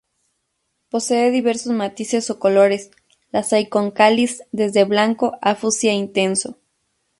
Posee diversos matices o colores: las hay con cáliz desde blanco a fucsia intenso.